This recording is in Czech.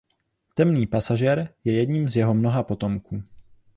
Temný pasažér je jedním z jeho mnoha potomků.